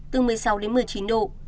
từ một mươi sáu đến một mươi chín độ